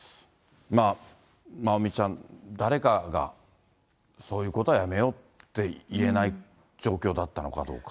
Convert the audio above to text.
まおみちゃん、誰かがそういうことはやめようって言えない状況だったのかどうか。